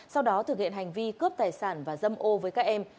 sau đó thực hiện hành vi cướp tài sản và dâm ô với các em